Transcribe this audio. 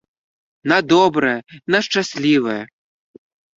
На добрае, на шчаслівае!